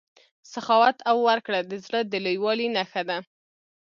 سخاوت او ورکړه د زړه د لویوالي نښه ده.